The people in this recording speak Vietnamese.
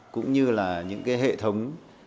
cũng như là những cái hệ thống